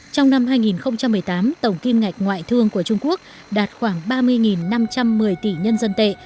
trong năm hai nghìn một mươi tám tổng kim ngạch ngoại thương của trung quốc đạt khoảng ba mươi năm trăm một mươi tỷ nhân dân tệ